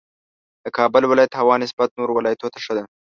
د کابل ولایت هوا نسبت نورو ولایتونو ته ښه ده